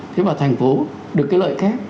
thế mà thành phố được cái lợi khác